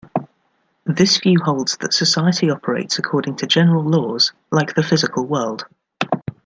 This view holds that society operates according to general laws like the physical world.